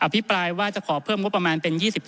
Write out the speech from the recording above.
ภิปรายว่าจะขอเพิ่มงบประมาณเป็น๒๕